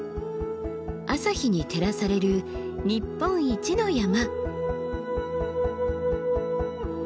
朝日に照らされる日本一の山。